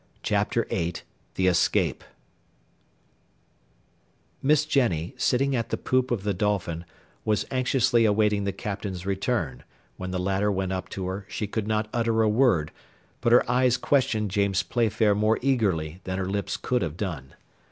Chapter VIII THE ESCAPE Miss Jenny, sitting at the poop of the Dolphin, was anxiously waiting the Captain's return; when the latter went up to her she could not utter a word, but her eyes questioned James Playfair more eagerly than her lips could have done.